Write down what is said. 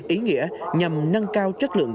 ý nghĩa nhằm nâng cao chất lượng